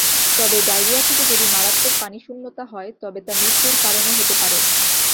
তবে ডায়রিয়া থেকে যদি মারাত্মক পানিশূন্যতা হয়, তবে তা মৃত্যুর কারণও হতে পারে।